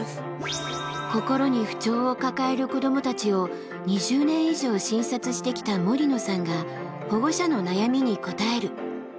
心に不調を抱える子どもたちを２０年以上診察してきた森野さんが保護者の悩みに答える。